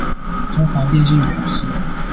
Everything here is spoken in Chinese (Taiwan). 中華電信表示